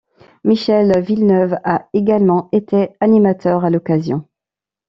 Michel Villeneuve a également été animateur à l'occasion.